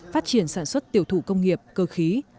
phát triển sản xuất tiểu thủ công nghiệp cơ khí